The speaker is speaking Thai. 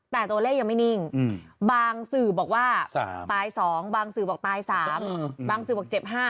แต่ตัวเลขยังไม่นิ่งบางสื่อบอกว่าตาย๒บางสื่อบอกตาย๓บางสื่อบอกเจ็บ๕